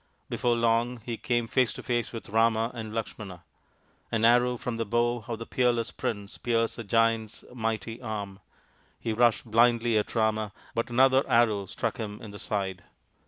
Before long he came face to face with Rama and Lakshmana. An arrow from the bow of the peerless prince pierced the Giant's mighty arm. He rushed blindly at Rama, but another arrow struck him in the side.